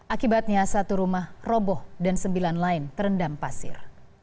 akibatnya satu rumah roboh dan sembilan lain terendam pasir